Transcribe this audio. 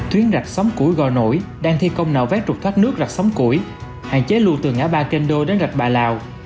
tuyến rạch sóng củi gò nổi đang thi công nạo vét rụt thoát nước rạch sóng củi hạn chế lưu từ ngã ba kendo đến rạch bà lào